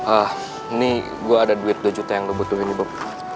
ah ini gue ada duit dua juta yang gue butuhin ibu